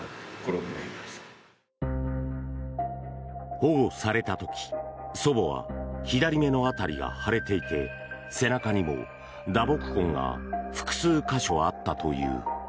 保護された時祖母は左目の辺りが腫れていて背中にも打撲痕が複数箇所あったという。